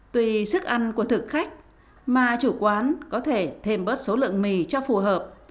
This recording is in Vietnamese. tùy sức ăn của thực khách mà chủ quán có thể thêm bớt số lượng mì cho phù hợp